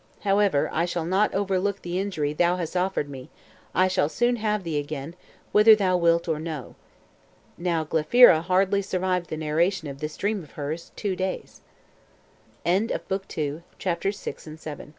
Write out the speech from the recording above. However, I shall not overlook the injury thou hast offered me; I shall [soon] have thee again, whether thou wilt or no." Now Glaphyra hardly survived the narration of this dream of hers two days. CHAPTER 8. Archelaus's Ethnarchy Is Reduced Into